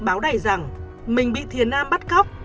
báo đầy rằng mình bị thiền am bắt cóc